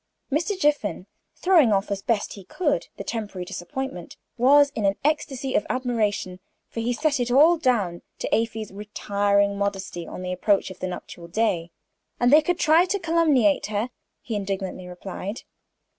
Mr. Jiffin, throwing off as best he could the temporary disappointment, was in an ecstasy of admiration, for he set it all down to Afy's retiring modesty on the approach of the nuptial day. "And they could try to calumniate her!" he indignantly replied.